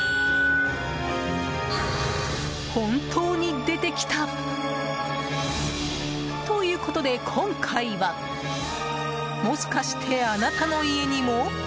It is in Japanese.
本当に出てきた！ということで今回はもしかして、あなたの家にも？